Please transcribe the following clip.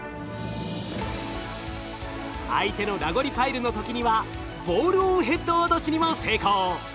相手のラゴリパイルの時にはボールオンヘッド落としにも成功。